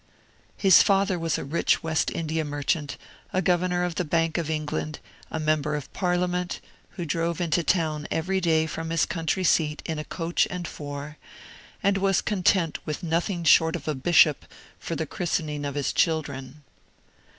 His father was a rich West Indian merchant, a governor of the Bank of England, a Member of Parliament, who drove into town every day from his country seat in a coach and four, and was content with nothing short of a bishop for the christening of his children.